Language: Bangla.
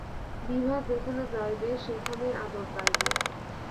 বিভা যেখানে যাইবে সেইখানেই আদর পাইবে।